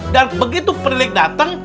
dan begitu penilik dateng